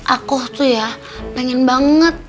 aku tuh ya pengen banget